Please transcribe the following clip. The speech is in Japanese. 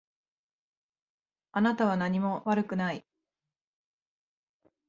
あなたは何も悪くない。